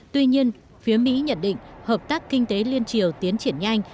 tuy nhiên phía mỹ nhận định hợp tác kinh tế liên triều tiến triển nhanh